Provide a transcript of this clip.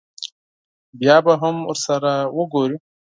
بیا به هم ورسره وګوري.